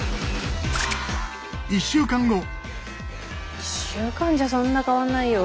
１週間じゃそんな変わんないよ。